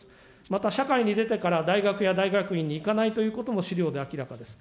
また社会に出てから大学や大学院に行かないということも、資料で明らかです。